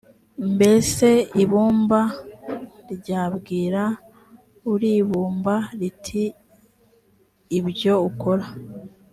mbese ibumba m ryabwira uribumba riti ibyo ukora